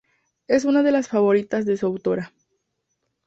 Es una de las favoritas de su autora.